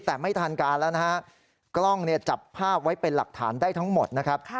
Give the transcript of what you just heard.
แต่ไม่ทันการแล้วนะฮะกล้องเนี่ยจับภาพไว้เป็นหลักฐานได้ทั้งหมดนะครับ